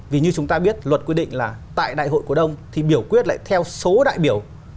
vì như chúng ta biết luật quy định là tại đại hội cổ đông thì biểu quyết lại theo số đại biểu